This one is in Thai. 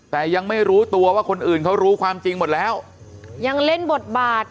แต่ยังไม่รู้ตัวว่าคนอื่นเขารู้ความจริงหมดแล้วยังเล่นบทบาท